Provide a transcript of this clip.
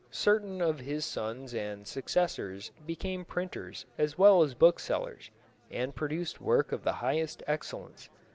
Certain of his sons and successors became printers as well as booksellers, and produced work of the highest excellence.